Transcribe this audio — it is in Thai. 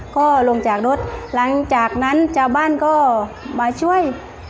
ก็ลงจากรถหลังจากนั้นชาวบ้านก็มาช่วย